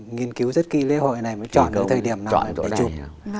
nghiên cứu rất kỹ lễ hội này mới chọn được thời điểm nào để chụp